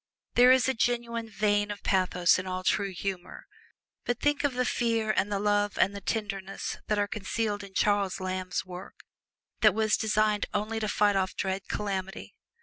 There is a genuine vein of pathos in all true humor, but think of the fear and the love and the tenderness that are concealed in Charles Lamb's work that was designed only to fight off dread calamity!